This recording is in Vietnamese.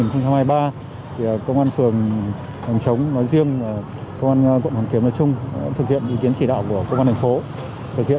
thì công an phường hồng chống nói riêng công an quận hồng kiếm nói chung thực hiện ý kiến chỉ đạo của công an thành phố